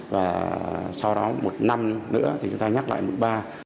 và sau đó một năm nữa thì chúng ta nhắc lại mức ba